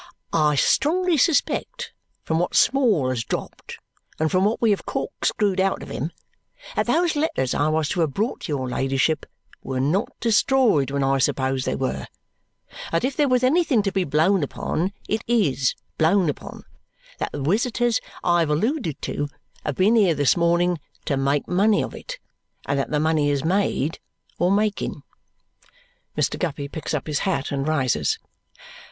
I strongly suspect (from what Small has dropped, and from what we have corkscrewed out of him) that those letters I was to have brought to your ladyship were not destroyed when I supposed they were. That if there was anything to be blown upon, it IS blown upon. That the visitors I have alluded to have been here this morning to make money of it. And that the money is made, or making." Mr. Guppy picks up his hat and rises.